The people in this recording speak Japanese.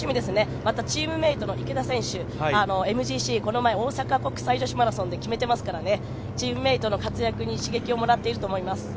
また、チームメートの池田選手ＭＧＣ、この前大阪国際女子マラソンで決めてますからねチームメイトの活躍に刺激をもらっていると思います。